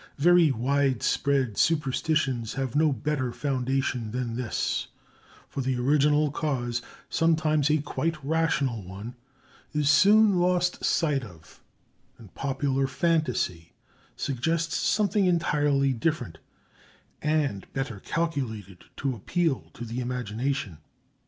Very widespread superstitions have no better foundation than this, for the original cause, sometimes a quite rational one, is soon lost sight of and popular fantasy suggests something entirely different and better calculated to appeal to the imagination.